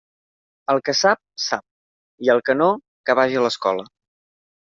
El que sap, sap, i el que no, que vaja a escola.